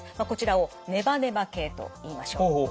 こちらをネバネバ系といいましょう。